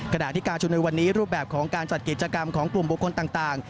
ขณะที่การชุมในวันนี้รูปแบบของการจัดกิจกรรมของกลุ่มบุคคลต่าง